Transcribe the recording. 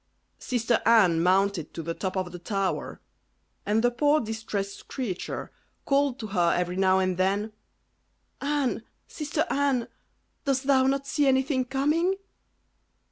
Sister Anne mounted to the top of the tower, and the poor distressed creature called to her every now and then, "Anne! sister Anne! dost thou not see anything coming?"